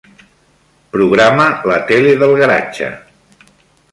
Programa la tele del garatge.